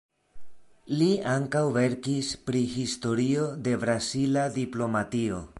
Li ankaŭ verkis pri historio de brazila diplomatio.